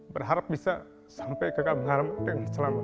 berharap bisa sampai ke kamengarang yang selamat